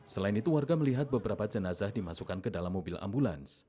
selain itu warga melihat beberapa jenazah dimasukkan ke dalam mobil ambulans